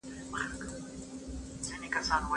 زه هره ورځ د ورزش کولو تمرين کوم.